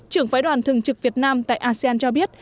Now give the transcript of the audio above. trưởng phái đoàn thường trực việt nam tại asean cho biết